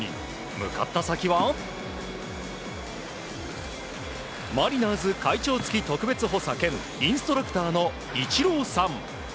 向かった先はマリナーズ会長付特別補佐兼インストラクターのイチローさん。